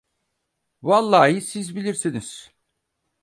Vallahi siz bilirsiniz!